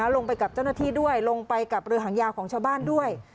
ลงไปกับเจ้าหน้าที่ด้วยลงไปกับเรือหางยาวของชาวบ้านด้วย